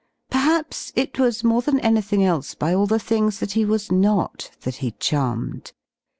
Perhaps it was more than anything else by all the things that he was not that he charmed.